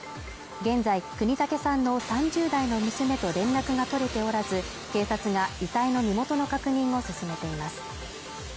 現在國武さんの３０代の娘と連絡が取れておらず警察が遺体の身元の確認を進めています